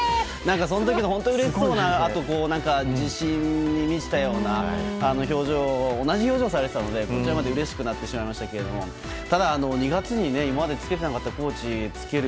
その時のうれしそうなあと、自信に満ちたような表情と同じ表情をされていたのでうれしくなりましたけどもただ、２月に今までつけてなかったコーチをつける。